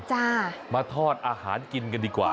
จ้ามาทอดอาหารกินกันดีกว่า